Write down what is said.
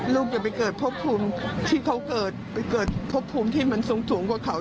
จะไปเกิดพบภูมิที่เขาเกิดไปเกิดพบภูมิที่มันสูงกว่าเขา